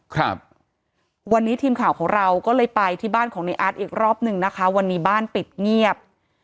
ครับวันนี้ทีมข่าวของเราก็เลยไปที่บ้านของในอาร์ตอีกรอบหนึ่งนะคะวันนี้บ้านปิดเงียบ